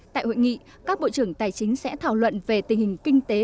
tại hội nghị các bộ trưởng tài chính sẽ thảo luận về tình hình kinh tế